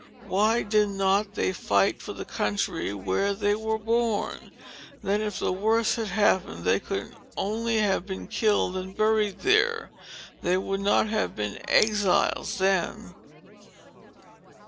"Why did not they fight for the country where they were born? Then, if the worst had happened to them they could only have been killed and buried there. They would not have been exiles then!"